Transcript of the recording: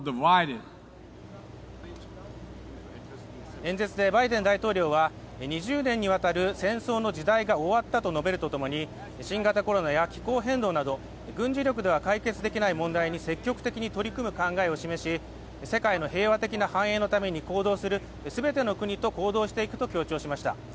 演説でバイデン大統領は２０年にわたる戦争の時代が終わったと述べるとともに、新型コロナや気候変動など軍事力では解決できない問題に積極的に取り組む考えを示し、世界の平和的な繁栄のために行動する、全ての国と行動していくと述べました。